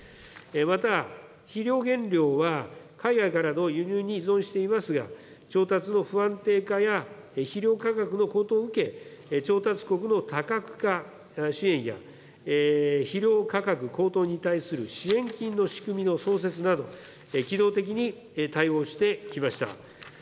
また肥料原料は海外からの輸入に依存していますが、調達の不安定化や肥料価格の高騰を受け、調達国の多角化支援や、肥料価格高騰に対する支援金の仕組みの創設など、機動的に対応してきました。